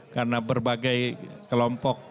karena berbagai kelompok